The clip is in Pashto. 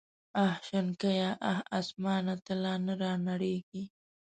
اخ شنکيه اخ اسمانه ته لا نه رانړېږې.